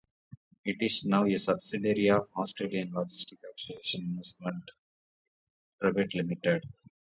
It is now a subsidiary of Australian Logistics Acquisition Investments Pty Limited.